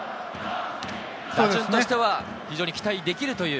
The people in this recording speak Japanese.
打順としては非常に期待できるという。